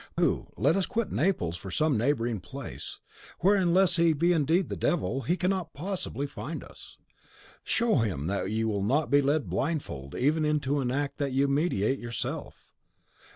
Pooh! let us quit Naples for some neighbouring place, where, unless he be indeed the Devil, he cannot possibly find us. Show him that you will not be led blindfold even into an act that you meditate yourself.